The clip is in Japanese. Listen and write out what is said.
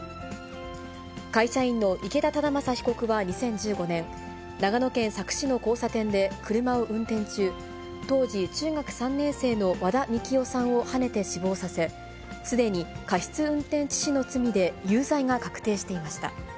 会社員の池田忠正被告は２０１５年、長野県佐久市の交差点で車を運転中、当時、中学３年生の和田樹生さんをはねて死亡させ、すでに過失運転致死の罪で有罪が確定していました。